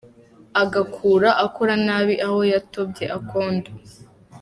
Agakura akora nabi, aho yatobye akondo.